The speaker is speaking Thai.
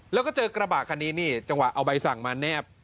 แล้วก็เจอกระบะคันนี้นี่จังหวะเอาใบสั่งมาแนบ